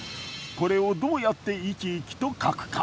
これをどうやって生き生きと描くか。